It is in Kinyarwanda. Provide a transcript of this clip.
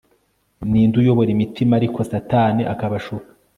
Ninde uyobora imitima ariko Satani akabashuka